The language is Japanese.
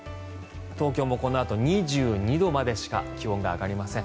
東京もこのあと２２度までしか気温が上がりません。